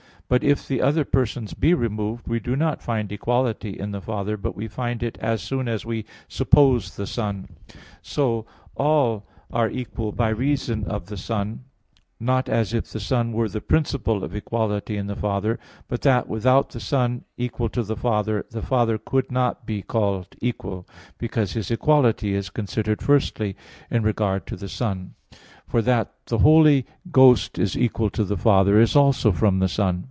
But if the other persons be removed, we do not find equality in the Father, but we find it as soon as we suppose the Son. So, all are equal by reason of the Son, not as if the Son were the principle of equality in the Father, but that, without the Son equal to the Father, the Father could not be called equal; because His equality is considered firstly in regard to the Son: for that the Holy Ghost is equal to the Father, is also from the Son.